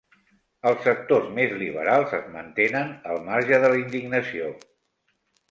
Els sectors més liberals es mantenen el marge de la indignació.